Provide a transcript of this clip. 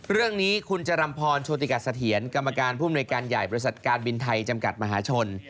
เรื่องนี้คุณจรัมพรโชติกัสเถียรกรรมการผู้อำนวยการใหญ่บริษัทการบินไทยจำกัดมหาชน